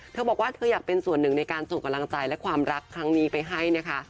เธอบอกว่าเธออยากเป็นส่วนหนึ่งในการส่งกำลังใจและความรักครั้งนี้ไปให้นะคะ